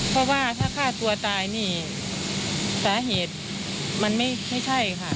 เพราะว่าถ้าฆ่าตัวตายนี่สาเหตุมันไม่ใช่ค่ะ